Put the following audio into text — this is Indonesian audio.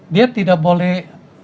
dia tidak boleh